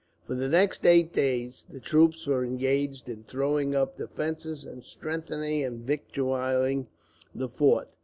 For the next eight days, the troops were engaged in throwing up defences, and strengthening and victualling the fort.